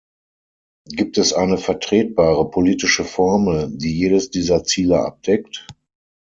Gibt es eine vertretbare politische Formel, die jedes dieser Ziele abdeckt?